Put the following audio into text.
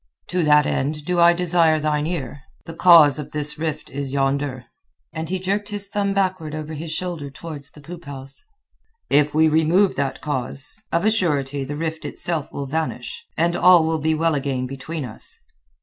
"To that end do I desire thine ear. The cause of this rift is yonder." And he jerked his thumb backward over his shoulder towards the poop house. "If we remove that cause, of a surety the rift itself will vanish, and all will be well again between us."